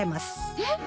えっ？